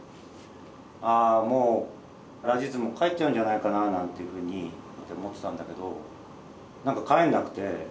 ああもうラジズも帰っちゃうんじゃないかななんていうふうに思ってたんだけど何か帰んなくて。